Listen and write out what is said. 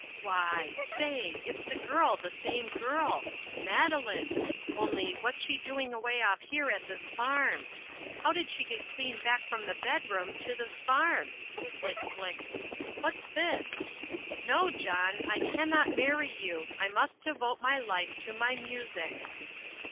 Why! Say! it's the girl, the same girl, Madeline only what's she doing away off here at this farm how did she get clean back from the bedroom to this farm? Flick, flick! what's this? "NO, JOHN, I CANNOT MARRY YOU. I MUST DEVOTE MY LIFE TO MY MUSIC."